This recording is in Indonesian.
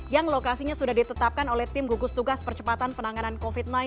yang lokasinya sudah ditetapkan oleh tim gugus tugas percepatan penanganan covid sembilan belas